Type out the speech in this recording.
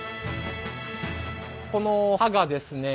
この刃がですね